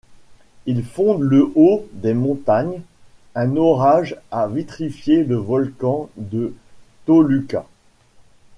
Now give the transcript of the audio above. Ils fondent le haut des montagnes ; un orage a vitrifié le volcan de Tolucca.